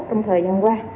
trong thời gian qua